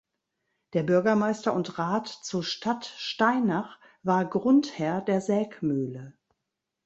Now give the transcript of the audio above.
Der Bürgermeister und Rat zu Stadtsteinach war Grundherr der Sägmühle.